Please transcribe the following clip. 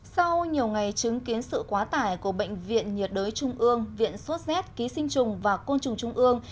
sau nhiều ngày chứng kiến sự quá tải của bệnh viện nhiệt đới trung ương viện sốt z ký sinh trùng và côn trùng trung ương